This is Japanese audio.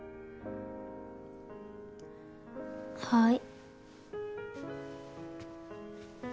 はい。